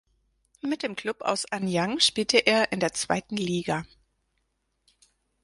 Mit dem Klub aus Anyang spielte er in der zweiten Liga.